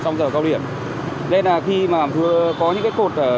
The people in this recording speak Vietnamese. nên là khi mà có những cái cột